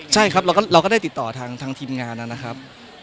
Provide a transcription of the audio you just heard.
ใช่ครับเราก็ได้ติดต่อทางทีมงานนะครับ